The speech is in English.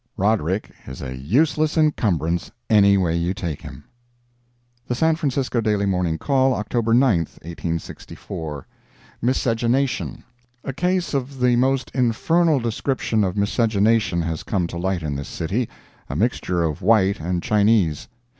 Roderick is a useless incumbrance, any way you take him. The San Francisco Daily Morning Call, October 9, 1864 MISCEGNATION A case of the most infernal description of miscegenation has come to light in this city—a mixture of white and Chinese.